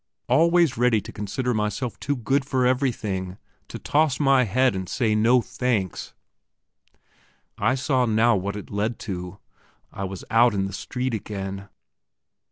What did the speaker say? Always ready to consider myself too good for everything to toss my head and say, No, thanks! I saw now what it led to. I was out in the street again.